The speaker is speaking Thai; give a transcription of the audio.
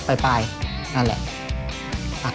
ตอนนี้เราใช้เบอร์๐๐๐